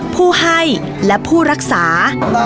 ผู้ให้และผู้รักษา